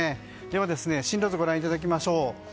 では進路図ご覧いただきましょう。